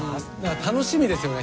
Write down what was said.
楽しみですよね